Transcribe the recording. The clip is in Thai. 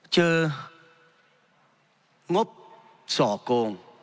เจองบส่อโกง